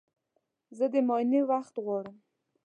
زه د معاینې وخت غواړم.